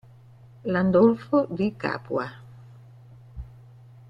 Landolfo di Capua